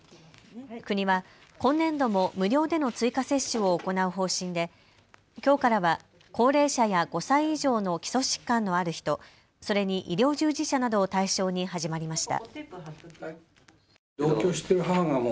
国は今年度も無料での追加接種を行う方針できょうからは高齢者や５歳以上の基礎疾患のある人、それに医療従事者などを対象に始まりました。